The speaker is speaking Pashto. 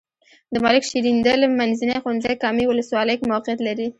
د ملک شیریندل منځنی ښونځی کامې ولسوالۍ کې موقعیت لري.